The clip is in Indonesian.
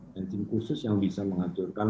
dan tim khusus yang bisa mengaturkan